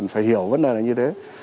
phải hiểu vấn đề là như thế